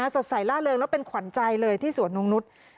สดใสล่าเริงแล้วเป็นขวัญใจเลยที่สวนนงนุษย์